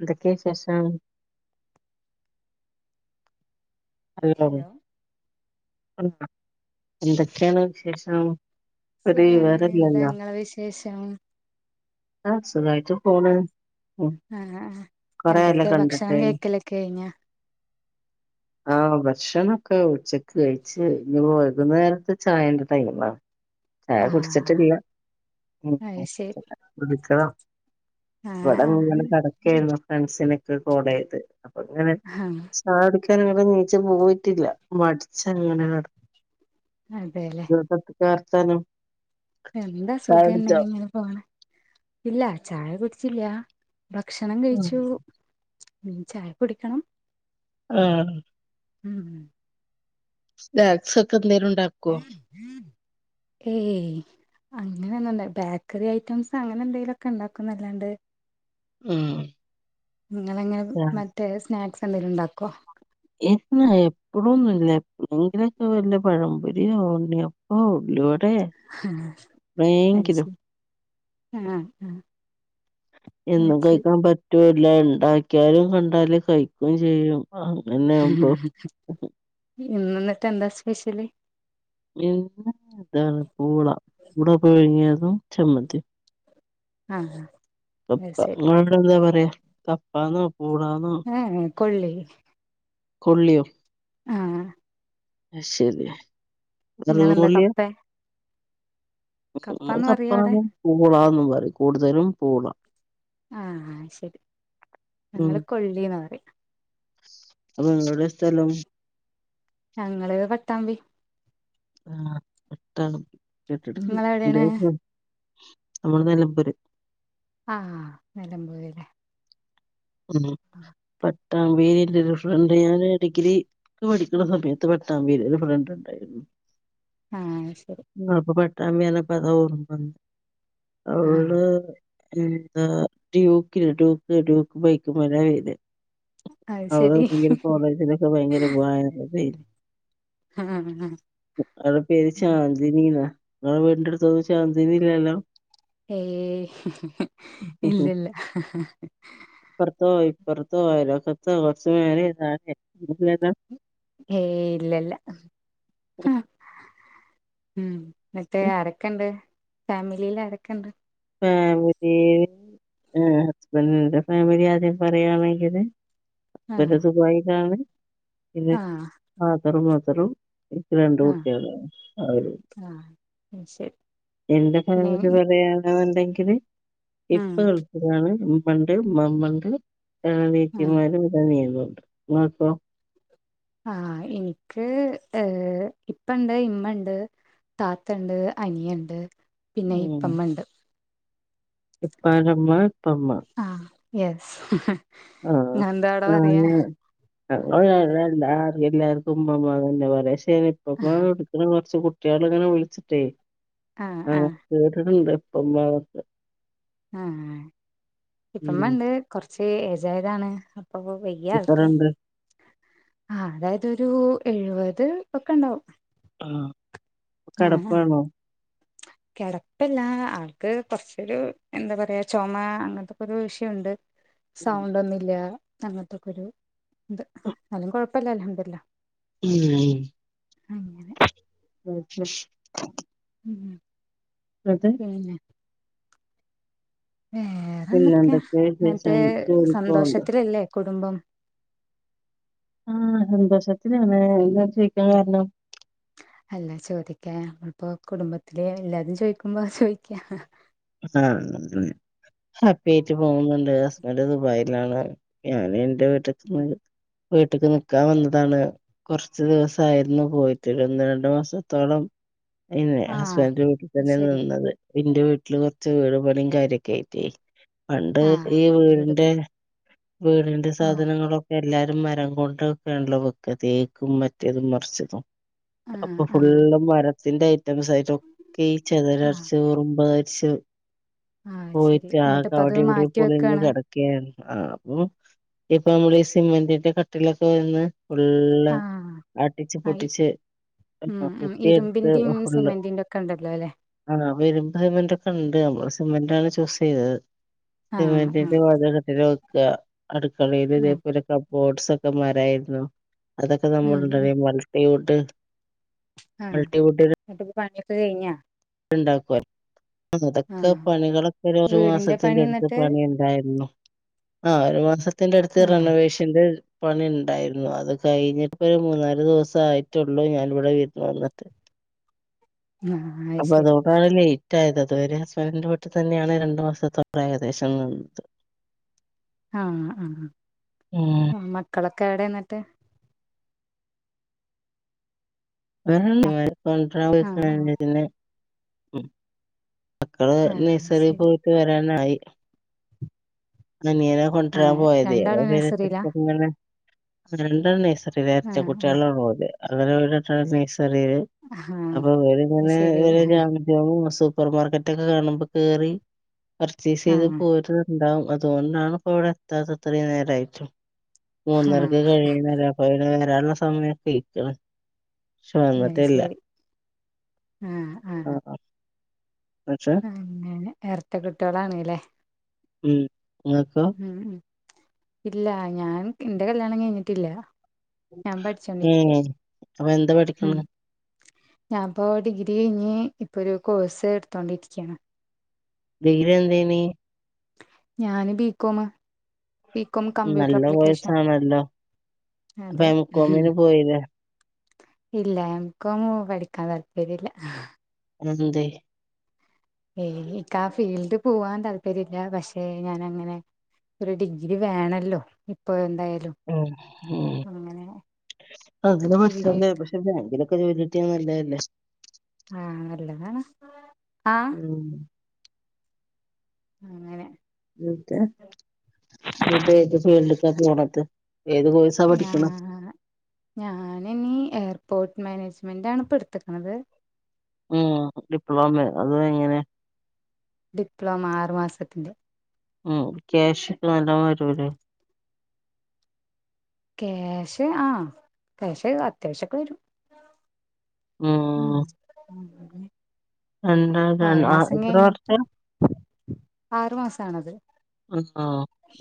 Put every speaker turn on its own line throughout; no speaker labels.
എന്തക്കെ വിശേഷം?
ഹലോ
[unintelligible] എന്തൊക്കേണ് വിശേഷം? ഒരു
സുഖാണ് എന്താ
വിവരല്ലല്ലോ
ഇങ്ങള വിശേഷം?
ആ സുഖായിട്ട് പോണ് ഉം
ആ ആ
കൊറെയായല്ലോ
എന്തൊക്കെ ഭക്ഷണം
കണ്ടിട്ട്
കയിക്കലൊക്കെയിഞ്ഞോ
ആ ഭക്ഷണൊക്കെ ഉച്ചക്ക് കഴിച്ച് ഇനി വൈകുന്നേരത്ത് ഛായെന്ത് ത്തേലും വേണം ഛായ
ആഹ്
കുടിച്ചിട്ടില്ല്യ ഉം
അത് ശരി
കുടിച്ചതാ
ആഹ്
ഇവടങ്ങനെ കെടക്കായിരുന്നു ഫ്രണ്ട്സിനൊക്കെ കോളൈത് അപ്പൊങ്ങനെ
ആഹ് ആഹ്
ഛായൊടിക്കാന്ങ്ങ്ട് നി ച്ച് പോയിട്ടില്ല മടിച്ചങ്ങനെ
അതെല്ലേ
കെട ന്താ വർത്താനം
എന്താ
ചായ
സുഖന്നെ
കുടിച്ചോ
ഇങ്ങനെ പോണ് ഇല്ല ചായ കുടിച്ചില്ല ഭക്ഷണം
ഉം.
കഴിച്ചു ഇനി ഛായ കുടിക്കണം
ആ
ഉം മ്മ്
സ്നാക്സൊക്കെ എന്തേലും ഉണ്ടാ
ഏയ് അങ്ങനെന്നുണ്ടാ ബേക്കറി ഐറ്റംസ് അങ്ങനെ എന്തേലൊക്കെണ്ടാക്കുന്നല്ലാണ്ട്
ഉം
ഇങ്ങളെങ്ങനെ
ആഹ്.
മറ്റേ സ്നാക്സ് എന്തെങ്കിലും ഉണ്ടാക്കോ?
ഇല്ല എപ്പഴൊന്നുല്ല എപ്പളേങ്കിലൊക്കെ വല്ല പഴംപൊരിയോ ഉണ്ണിയ പ്പോ ഉള്ളി വടേ
[unintelligible] ആ ആ
എന്നും കയ്ക്കാൻ പറ്റൂല്ല ഉണ്ടാക്കിയാലും കണ്ടാലും കഴിക്കും ചെയ്യും ആ
ഇന്നിന്നിട്ടെന്താ സ്പെഷ്യല്
പിന്ന താണ് പൂള പൂള പുഴുങ്ങിയതും ചമ്മന്തീം
ആ ഹാ
കപ്പ ഇങ്ങളെവിടെ എന്താ പറയാ കപ്പാന്നോ പൂളാന്നോ
ഏ എ കൊള്ളി
കൊള്ളിയോ?
ആ
അയ്ശരിയാ
ഇങ്ങെളെന്താ കപ്പേ
മ്മള്
കപ്പാന്ന് പറയാ അവിടെ
കപ്പാന്നും പൂളാന്നും പറയും കൂടുതലും പൂള
ആ ശരി
ഉം.
ഞങ്ങള് കൊള്ളീന്നാ പറീം
അപ്പൊ ങ്ങടെ സ്ഥലം
ഞങ്ങള് പട്ടാമ്പി
ആട്ടാണും കേട്ടിട്ടിണ്ട്
നിങ്ങളെവിടെയാണ്
ഇന്റതും നമ്മള് നിലമ്പൂര്
ആ നിലമ്പൂര് ല്ലേ
ഉം പട്ട് ട്ടാമ്പീലില്ലൊരു ഫ്രണ്ട് ഞാൻ ഡിഗ്രിക്ക്‌ പഠിക്ക്ണ സമയത്ത് പട്ടാമ്പീല് ഒരു ഫ്രണ്ട് ഉണ്ടായിരുന്നു
ആ അയ് ശരി
ഇങ്ങള് പ്പൊ പട്ടാമ്പി പറഞ്ഞപ്പോ അതാ ഓർമ്മ വന്ന്
ആഹ്
അവള് ന്താ ട്യൂക്കില്ലേ ട്യൂക്ക് ട്യൂക്ക് ബൈക്ക് മേലവരാ
അത്
അവള്
ശരി
ഭയങ്കര കോളേജിലൊക്കെ ഭയങ്കര വയറലേയി
ആഹ്
അവളെ പേര് ചാ ന്ദിനിന്നാ ഇങ്ങളെ വീടിന്റെ അടുത്തൊന്നും ചാന്ദിനി ഇല്ലല്ലോ
ഏയ് ഇല്ലില്ല
അപ്പർത്തൊ ഇപ്പർത്തൊ അയൽവക്കത്തോ കുറച്ചുമേലെ താഴെ ഒന്നൂല്ലല്ലോ
ഏയ് ഇല്ലില്ല
ഒന്നുല്ലല്ലോ
ഉം ന്ന്ട്ട് ആരൊക്കെണ്ട് ഫാമിലീല് ആരൊക്കെണ്ട്?
ഫാമിലീല് ഹസ്ബന്റിന്റെ ഫാമിലി ആദ്യം പറയാണെങ്കില്
ആഹ്
ഓര് ദുബായിലാണ്. പിന്നെ
ആഹ്
ഫാദറും മദറും രണ്ട്
ആഹ്
കുട്ടികള് അവരും
ആഹ് അത് ശരി
എന്റെ
പിന്നെ
ഫാമിലി പറയാ യാന്നുണ്ടെങ്കില്
ഉം
ഇപ്പ ഗൾഫിലാണ് ഉമ്മണ്ട് ഉമ്മാമ്മണ്ട്
ആഹ്
ആനിയത്തിമാരുണ്ട് അനിയനുണ്ട്. മോൾക്കോ
ആഹ് എനിക്ക് ഏഹ് ഇപ്പണ്ട് ഇമ്മണ്ട് താത്തണ്ട് അനിയണ്ട് പിന്നെ ഇപ്പമ്മണ്ട്.
ഇപ്പാടെമ്മ ഇപ്പമ്മ.
ആഹ് യെസ് നിങ്ങളെന്താവടെ പറയ?
[unintelligible] എല്ലാർത്തും ഉമ്മമ്മാന്നന്നെ പറയാ പക്ഷേ ഇപ്പമ്മാന്ന് വിടെ കൊറച്ച് കുട്ടികളിങ്ങനെ വിളിച്ചിട്ടേ
ആഹ്
അങ്ങന
ആഹ്
കേട്ട്ണ്ട് ഇപ്പ ഭാഗത്ത്
ആഹ്
ഉം
ഇപ്പമ്മണ്ട് കൊറച്ച് ഏജായതാണ്. ഇപ്പപ്പൊ വയ്യ ആൾക്ക്
ഡിഫറണ്ട്
ആഹ് അതായത് ഒരു എഴുപത് ഒക്കെ ഉണ്ടാവും
ആഹ് കെടപ്പാണോ
കെടപ്പല്ല അൾക്ക് കൊറചൊരു എന്താ പറയാ ചുമ അങ്ങനത്തെക്കെ ഒരു വിഷയണ്ട് [unintelligible]
ഉം.
സൗണ്ടൊന്നുല്ല്യ അങ്ങനത്തക്കൊരു ഇത്. എന്നാലും കൊഴപ്പല്ല അൽഹംദുലില്ലാഹ്
ഉം
അങ്ങനെ
ഉം [unintelligible]
ഉം
അതെ
പിന്നെ
പിന്നെ
വേറെന്തൊക്കെയാ
എന്തൊക്കെയ
എന്നിട്ട്
വിശേഷം ജോലിക്ക് പോവ്ണ്ടോ
സന്തോഷത്തിലല്ലേ കുടുംബം
ആഹ് സന്തോഷത്തിലാണ്. എന്താ ചോയ്
ഉം അല്ല ചോദിക്കാ നമ്മളിപ്പോ കുടുംബത്തില് എല്ലാവരേം ചോദിക്കുമ്പോ അത് ചോദിക്കാ
ആഹ് ഹാപ്പി ആയിട്ട് പോകുന്നുണ്ട്. ഹസ്ബൻഡ് ദുബായിലാണ്. ഞാന് എന്റെ വീട്ടിക്ക് പോകുന്നു വീട്ട്ക്ക് നിക്കാൻ വന്നതാണ് കൊറച്ച് ദിവസായിരുന്നു പോയിട്ട്. ഒന്ന് രണ്ട് മാസത്തോളം പിന്നെ
ആഹ്
ഹസ്ബൻഡന്റെ വീട്ടിൽ തന്നെയ
ശരി
നിന്നത്. എന്റെ വീട്ടി വീട്ടില് കൊറച്ച് വീട് പണിയും കാര്യൊക്കായിട്ടെ. പണ്ട്
ആഹ്
ഈ
വീട്
വീടിന്റെ
പണി
വീടിന്റെ
ആഹ്
സാധനങ്ങളൊ എല്ലാരും മരം കൊണ്ടക്കേണല്ലോ വെക്ക. തേക്കും മറ്റേതും മറിച്ചതും
ആഹ്
അപ്പൊ
ആഹ്
ഫുള്ളും മരത്തിന്റെ ഐറ്റംസ് ആയിട്ടൊക്കെ ഈ
ആഹ്
ചെതലരിച്ച് ഉറുമ്പായി ച്ച്
ആഹ് ശരി
പോയിട്ട് ആകെ
എന്നിട്ടിപ്പ അത്
അവിടെ ഇവിടെ
മാറ്റി
പൊളിഞ്
വെക്കാണ്
കെട ആഹ് അപ്പം ഇപ്പം നമ്മള് ഈ സിമന്റിന്റെ കട്ട്ളൊക്കെ വരുന്ന് ഫുള്ള്
ആഹ്
അടിച്ച്പൊട്ടിച്ച്
മ് മ് ഇരുമ്പിന്റിം സിമെന്റിന്റൊക്കെ ണ്ടല്ലോ ല്ലേ
ആവെരുനന് സിമെന്റ് ഒക്കെ ഉണ്ട് നമ്മൾ സിമെന്റ് ആണ് ചൂസ് ചെയ്തത്
ആഹ്
സിമെന്റിന്റെ
ആഹ്
വാതില്കട്ടില വെക്കാ അടുക്കളീൽ
ആഹ്
ഇതേപോലെക ബോട്സൊക്കെ മരായിരുന്നു അതൊക്കെ
ഉം ഉം
നമ്മൾണ്ട്രറിമൾട്ടിവുഡ്
ആ ന്ന്ട്ടിപ്പൊ പണിയൊക്കെ കഴിഞ്ഞൊ
ണ്ടാക്കൊലോ മുതക്ക
ആഹ്
പണികളൊക്കെ ഒരു രു
വീടിന്റെ പണി
മാസത്തിന്റെടുത്ത്
എന്നിട്ട്
പണിണ്ട് തായിരുന്നു ആ ഒര് മാസത്തിന്റെടുത്ത്
ആഹ്
റെണെവേഷന്റെ പണി ഉണ്ടായിരുന്നു അത് പണിയുണ്ടായിരുന്നു അത്കഴിഞ്ഞിപ്പോ ഒര് മൂന്നാല് ദിവസായിട്ടൊള്ളൂ ഞാന്വ്ടെ വിര്ന്ന് വന്നിട്ട്
അആ
അപ്പതോ അതാണ് ലേറ്റ് ആയതത് ഒരു അതാ ലൈറ്റ് ആയത് അത് വരെ ഹസ്ബൻഡിന്റെ വീട്ടിതെന്നെയാണ് രണ്ടു മാസത്തോടെ ഏകദേശം നിന്നത്
ആ ആ
ഉം
മ് മക്കളൊക്കെ എവിടെ ന്നട്ട്
[unintelligible] കോണ്ട്രാൻ
ആ ആ
പൊയിക്ക്ണ് [unintelligible] മക്കള്
ആ ശരി
നഴ്സറിയൊക്കെ വ്ട്ട് വരാനായി അനിയനെ കൊണ്ട്
ആ
രാൻ പോയതേയ്നു
രണ്ടാളും നഴ്സറിയിലാ
പിന്നെ [unintelligible] രണ്ടാളും നഴ്സറി [unintelligible]
ആ ആ
എരട്ടകുട്ടിയാളാണ് ഓല് അങ്ങനെ ഓലിരണ്ടാളും നഴ്സറിയില്
ആ
അപ്പോഓലിങ്ങനെ
ശരി
ങ്ങനെ [unintelligible] [unintelligible] സൂപ്പർ മാർക്കറ്റൊക്കെ കാണുമ്പോ കേറി
ആ ആ
പർച്ചേസെയ്ത് പോര്ന്ന്ണ്ടാവും അത് തൊണ് ണാണ് ഇപ്പവ്ടെ എത്താതെ ത്രീം നേരമായിട്ടും
ആ
മൂന്നരക്ക് കഴിയുണേഅല്ലേ അ അപ്പൊ പിന്നെ വരാനുള്ള സമയമൊക്കെ അയിക്ക്ണ് ശോ
അത്
വന്നിട്ടില്ല
ശരി
അ ആ ന്നച്ചാ
അങ്ങനെ എറട്ട കുട്ട്യോളാണ് ലേ
മ് ങ്ങകൊ
മ് മ് ഇല്ലാ ഞാൻ ന്റെ കല്യാണം കഴിഞ്ഞിട്ടില്ല ഞാൻ പഠിച്ചോണ്ടിരിക്ക
ഏഹ് അപ്പൊ എന്താ
മ്
പഠിക്കണ്
ഞാൻപ്പോ ഡിഗ്രി കെയ്ഞ് ഇപ്പൊരു കോഴ്സ് എടുത്തോണ്ടിരിക്യാണ്
ഡിഗ്രി എന്തെനി
ഞാന് ബീക്കോമ് പികോം കമ്പ്യൂട്ടർ
നല്ല
അപ്ലിക്കേഷൻ
കോഴ്സാണല്ലോ അപ്പൊ
അതെ
എംകോമിന്
[unintelligible]
പോയില്ലേ
ഇല്ല എംകൊമ് പഠിക്കാൻ താല്പര്യല്ല
അതെന്തേയ്
ഏയ് ഇക്കാ ഫീൽഡ് പോവാൻ താല്പര്യല്ല പക്ഷെ ഞാനങ്ങനെ ഒരു ഡിഗ്രി വേണല്ലോ ഇപ്പൊ എന്തായാലും
അ മ്
അങ്ങനെ
അതിന്
ഡിഗ്രി
പഠിച്ചൊണ്ടൃ പഷെ ബേങ്കിൽ ജോലിട്ട്യാനല്ലെയല്ലേ
ആ അല്ലതാണ്
മ്
അങ്ങനെ
[unintelligible] നിപ്പോ ഏത് ഫീൽഡക്കാ കേറത്ത് ഏത് കോഴ്സ്
ഞാ ഞാനിനി എയർപോട്ട് മാനേജ്മെൻ്റാണ് ഇപ്പട്ത്ത്ക്ണത്
മ് ഡിപ്ലോമെ അത് എങ്ങനെ
ഡിപ്ലോമ ആറ് മാസത്തിൻ്റെ
മ് ക്യാഷ് ക്ക് നല്ലോം വെരുലേ
കേഷ് ആ. കേഷ്. അത്യാവശ്യൊക്കെരു.. മ്മ്
രണ്ടാര. ആ എത്ര വർഷം..
ആറു മാസാണത്
ആ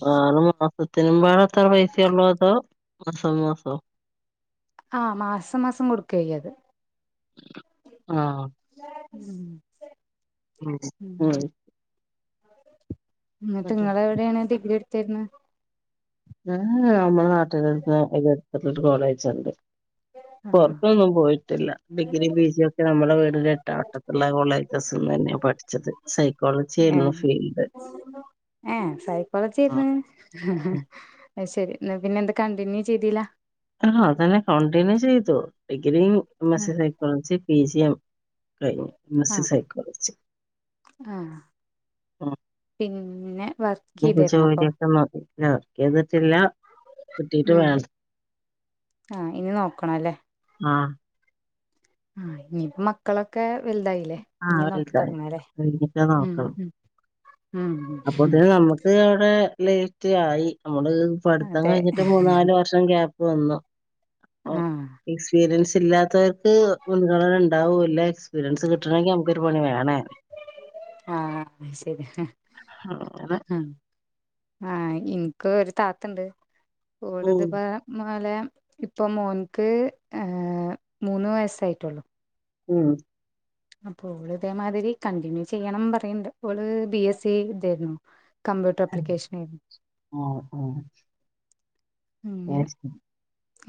ആ. വറന്താ.. ഒക്കത്തിനുമ്പാടത്ര. പൈസയൊള്ളു. അതോ മാസം മാസോ..
ആഹ. മാസം മാസം. കൊട് ക്യ്യത്..
ആഹ.. ഉം ഉം
മ്മ്ഹ്. ന്നട്ട് നിങ്ങളെവിടെണ് ഡിഗ്രി എടുത്തിര്ന്ന്?
ഞാൻ നമ്മളെ നാട്ടിലെ ഒരു കോളേജുണ്ട്..
ആഹ്
പൊറത്തൊന്നും പോയിട്ടില്ല. ഡിഗ്രി പിജി ഒക്കെ നമ്മളെ വീടിന്റെ എടു ത്തുള്ള കോളേജന്ന് തന്നെ പഠിചത്. സൈക്കോളജിര്ന്നു ഫീൽഡ്..
ഏഹ
ആ
സൈക്കോളജിയെരുന്നു
ഉം.
അഹ് ശരി. ന്ന പിന്നെ എന്ത് കണ്ടിന്യൂ ചെയ്തീല.
ആ അതന്നെ കണ്ടിന്യൂ ചെയ്തു. ഡിഗ്രിം
ആഹ്
മെസ്സെജയ് ക്കോളജി പി ജി എം കഴിഞ്ഞു എം എസ് സി സൈക്കോളജി.
ആഹപിന്നെ
ഞ്ഞിപ്പൊ ജോലിയൊക്കെ നോകണം വർക്ക് ചെതിട്ടില്ല.
മ്മ് ആഇനി നോക്കണലേ.
ആ
ആ മക്കളൊക്കെ വൽതായിലേ
ആഹ്
ഇനി നോക്കി
വലുതായി
തോടങ്ങലേ
കഴിഞ്ഞിട്ട് അപ്പൊതിന് നമ്മുക്ക് അവടെ ലേറ്റ് ആയി. നമ്മള് പട്ത്തം
അതെ
കഴിഞ്ഞിട്ട് മൂന്ന നാല് വ ക്യാപ്പ് വന്നു. ഓ,
ആഹ.
എക്സ്പീരിയൻസ് ഇല്ലാത്തവർക്ക് മുൻഗണന ഉണ്ടാവൂല്ല. എക്സ്പീരിയൻസ് കിട്ടണമെങ്കി നമുക്കൊരു പണി വേണേനു.
ആഹ ശരി
അത
ആഹ് എനിക്ക് ഒരു താത്തണ്ട്
ഉം
മലെ ഇപ്പൾ മോനിക്ക് മൂന്ന് വയസ്സായിട്ടുള്ളു.
ഉം
അപ്പൊ അവള് ഇതേമാതിരി കണ്ടിന്യൂ ചെയ്യണം പറയണ്ട്. അവള് ബി എസ് സി ഇതായിരുന്നു കമ്പ്യൂട്ടർ അപ്ലിക്കേഷൻ
ആ
അങ്ങനെ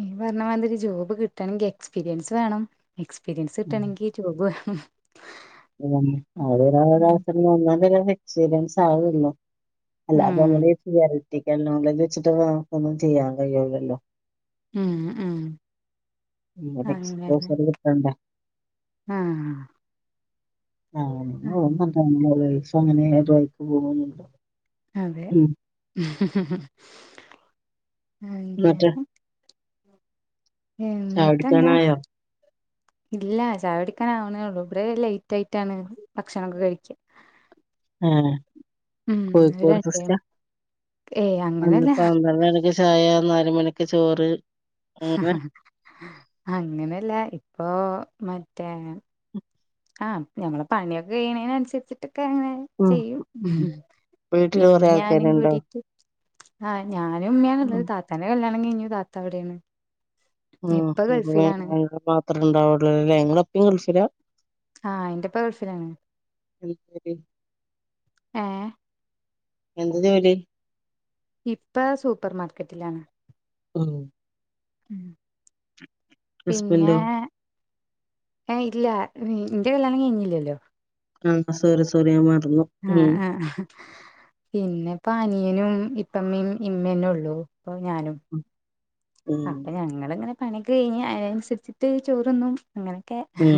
ഈ പറഞ്ഞ മാതിരി ജോബ് കിട്ടണെങ്കിൽ എക്സ്പീരിയൻസ് വേണം. എക്സ്പീരിയൻസ്
ഉം
ഇട്ടാണെങ്കി ജോബ് വേണം.
അവസരം ഒന്ന എക്സ്പീരിയൻസ് ആവല്ലോ അല്ല അപ്പൊ
ഉം
നമ്മള്ത് വെച്ചിട്ട നമുക്കൊന്നും ചെയ്യാൻ കഴിയല്ലല്ലോ.
ഉം
എക്സ്പോ കട്ടണ്ട
ആ
ആ അങ്ങനെക്ക് പോണ്ടോ
അതെ
എന്നിട്ട് ചായ
എന്നിട്ട് എന്താ
കുടിക്കാനായോ
ഇല്ല ചായകുടിക്കാൻ ആവണേള്ളൂ. ഇവിടെ ലേറ്റ് ആയിട്ടാണ്. ഭക്ഷണൊക്കെ കഴിചു
ഏഹ് കോഴിക്കോട് സിസ്റ്റ
ഏയ്
അന്ന്
അങ്ങനല്ലാ
പന്ത്രണ്ട് മണിക്ക് ചായ നാല് മണിക്ക് ചോറ് അങ്ങനെ
അങ്ങനെല്ല ഇപ്പൊ മറ്റേ ആഹ് ഞങ്ങളെ പണിയൊക്കെ കഴിണേനൻസര്ച്ച്ട്ടൊക്കെങ്ങനെ
ഉം
ചെയ്യും
ഉം വീട്ടില്
ഇമ്മിം
കൊറേ
ഞാനും
ആൾക്കാരുണ്ടോ
കൂടിട്ട്. ആഹ് ഞാനും
ഉം
ഉമ്മ്യാണുള്ളത്. താത്താന്റെ കല്യാണം കയ്ഞ്ഞു താത്ത അവിടേണ്.
ഉം [unintelligible] മാത്രണ്ടാവൊള്ളാല്ലോ ല്ലേ ഇങ്ങളെ ഇപ്പിം ഗൾഫിലാ.
ആഹ് ഇന്റെപ്പ ഗെൾഫിലാണ്.
എന്താ ജോലി
ഏഹ്?
എന്ത ജോലി?
ഇപ്പ സൂപ്പർ മാർക്കറ്റിലാണ്.
ഉം
ഉം
ഹസ്ബൻഡോ
പിന്നേ ഏയ് ഇല്ല ഇന്റെ കല്യാണം കഴിഞ്ഞീല്ലല്ലോ.
ആഹ് സോറി സോറി ഞാൻ മറന്നു. ഉം
ആഹ് ആഹ് പിന്നെപ്പ അനിയനും ഇപ്പമ്മിം ഇമ്മന്നൊള്ളൂ ഇപ്പൊ ഞാനും.
ഉം
അപ്പം ഞങ്ങള്ങ്ങനെ പണ്യൊക്കെ കഴിഞ്ഞ് അയിനൻസരിച്ചിട്ട് ചോറ്ന്നും അങ്ങനൊക്കെ.
ഉം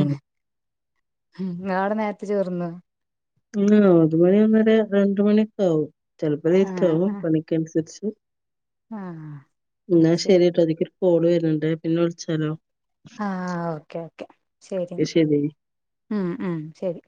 ഹും ഇങ്ങളവ്ടെ നേരത്തെ ചോറ് ന്നോ?
ആഹ് ഒരു മണി ഒന്നര രണ്ട് മണിയൊക്കാവും. ചെൽപ്പ
ആഹ്
ലേറ്റാവും
ആഹ്
പണിക്കൻസരിച്ച്.
ആഹ് അത്
ഇന്നാ
ശരി
ശരിട്ടോ ഇതിക്കൊര് കോള് വര്ണ്ട് പിന്നെ വിളിച്ചാലോ.
ആഹ് ഓക്കെ ഓക്കെ ശരി ന്നാ. ഉം ഉം ശരി